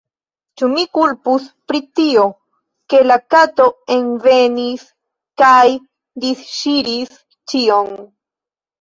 Ĉu mi kulpus pri tio, ke la kato envenis kaj disŝiris ĉion?